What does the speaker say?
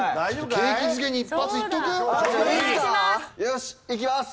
よしいきます。